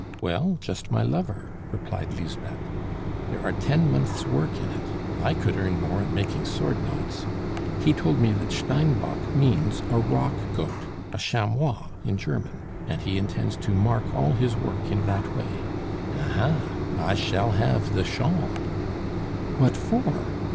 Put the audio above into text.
"Well, just my lover," replied Lisbeth. "There are ten months' work in it; I could earn more at making sword knots. He told me that Steinbock means a rock goat, a chamois, in German. And he intends to mark all his work in that way. Ah, ha! I shall have the shawl." "What for?"